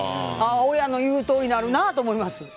親の言うとおりになるなと思います。